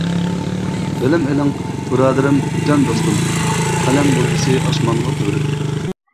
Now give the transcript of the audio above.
بىلىم ئېلىڭ بۇرادىرىم جان دوستۇم، قەلەم بولغۇسى ئاسمانغا تۈۋرۈك.